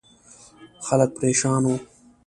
خلک پرېشان وو.